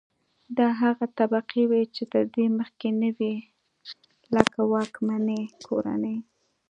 دا هغه طبقې وې چې تر دې مخکې نه وې لکه واکمنې کورنۍ.